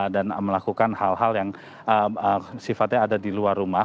dan melakukan hal hal yang sifatnya ada di luar rumah